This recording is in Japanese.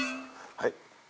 はい？